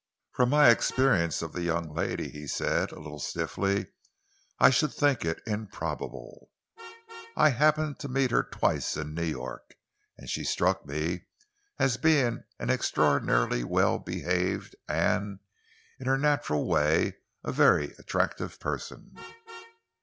"From my experience of the young lady," he said, a little stiffly, "I should think it improbable. I happened to meet her twice in New York, and she struck me as being an extraordinarily well behaved and, in her natural way, very attractive person."